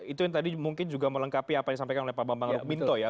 itu yang tadi mungkin juga melengkapi apa yang disampaikan oleh pak bambang rukminto ya